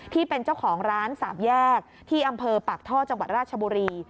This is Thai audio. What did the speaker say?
ที่เป็นเจ้าของร้านสามแยกที่อำเภอปากท่อจังหวัดราชบุรี